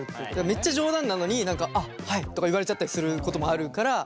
めっちゃ冗談なのに「あっはい」とか言われちゃったりすることもあるから。